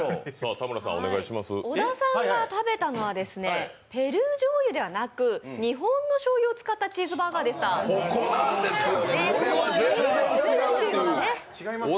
小田さんが食べたのはペルーじょうゆではなく、日本のしょうゆを使ったチーズバーガーでしたここなんですよね、ここが全然違うという。